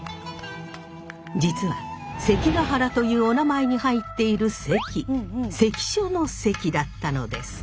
実は関ケ原というおなまえに入っている「関」関所の関だったのです。